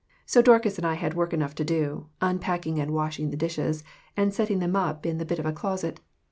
So Dorcas and I had work enough to do, unpacking and washing the dishes, and setting them up in the bit of a closet.